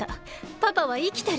パパはいきてる。